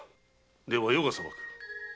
では余が裁く。